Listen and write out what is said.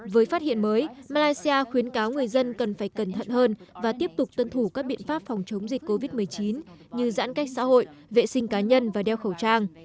với phát hiện mới malaysia khuyến cáo người dân cần phải cẩn thận hơn và tiếp tục tuân thủ các biện pháp phòng chống dịch covid một mươi chín như giãn cách xã hội vệ sinh cá nhân và đeo khẩu trang